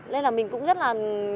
nên là mình cũng rất là